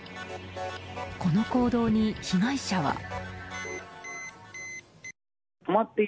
この行動に被害者は。